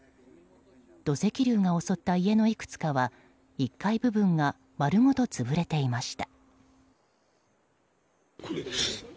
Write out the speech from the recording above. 土石流が襲った家のいくつかは１階部分が丸ごと潰れていました。